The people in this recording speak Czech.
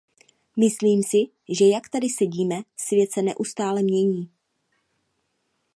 Myslím si, že jak tady sedíme, svět se neustále mění.